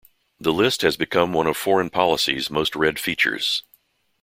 The list has become one of "Foreign Policy"s most-read features.